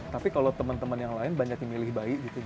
tapi kalau teman teman yang lain banyak yang milih bayi gitu